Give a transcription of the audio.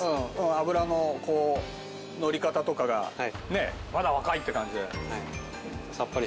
脂ののり方とかがまだ若いって感じで。